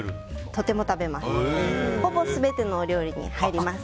とても食べます。